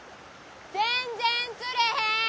全然釣れへん。